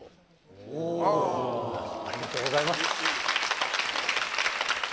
おぉありがとうございます。